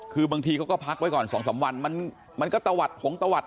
คือบางทีเขาก็พักไว้ก่อน๒๓วันมันก็ตะวัดผงตะวัด